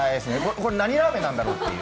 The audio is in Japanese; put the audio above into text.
これ何ラーメンなんだろうっていう。